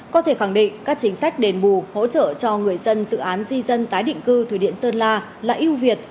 có thể khẳng định các chính sách đền bù hỗ trợ cho người dân dự án di dân tái định cư thủy điện sơn la là ưu việt